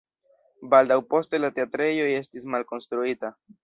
Baldaŭ poste la teatrejo estis malkonstruita.